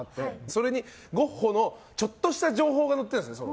それにゴッホのちょっとした情報が載ってるんですね。